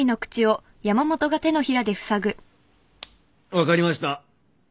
分かりました。